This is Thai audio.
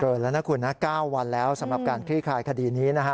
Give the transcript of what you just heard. แล้วนะคุณนะ๙วันแล้วสำหรับการคลี่คลายคดีนี้นะฮะ